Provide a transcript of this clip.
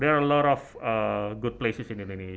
pertama sekali ada banyak tempat yang bagus di indonesia